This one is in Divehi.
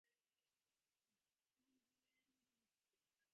ސޮފްޓްވެއާއަށް މައުޅުމާތު ސާފުކުރާ ދުވަސް ބަދަލުވުން